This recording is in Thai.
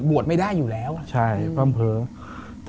บวชไม่ได้อยู่แล้ว